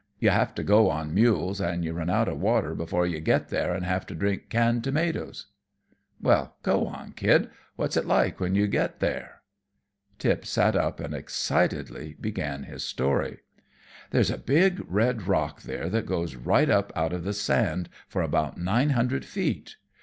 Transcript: You have to go on mules, and you run out of water before you get there and have to drink canned tomatoes." "Well, go on, kid. What's it like when you do get there?" Tip sat up and excitedly began his story. "There's a big red rock there that goes right up out of the sand for about nine hundred feet.